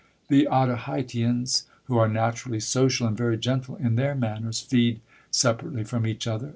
The Otaheiteans, who are naturally social, and very gentle in their manners, feed separately from each other.